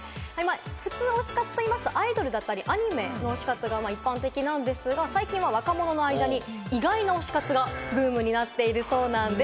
普通、推し活というとアイドルだったり、アニメの推し活が一般的なんですが、最近は若者の間に意外な推し活がブームになっているそうなんです。